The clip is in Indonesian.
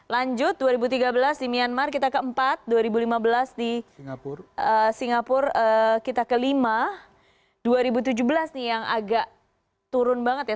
lanjut dua ribu tiga belas di myanmar kita keempat dua ribu lima belas di singapura kita kelima dua ribu tujuh belas nih yang agak turun banget ya